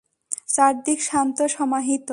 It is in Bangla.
চারদিক শান্ত সমাহিত।